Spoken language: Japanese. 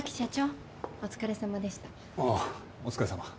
あぁお疲れさま。